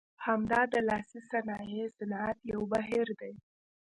همدا د لاسي صنایع صنعت یو بهیر دی.